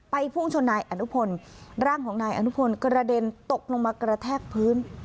พุ่งชนนายอนุพลร่างของนายอนุพลกระเด็นตกลงมากระแทกพื้น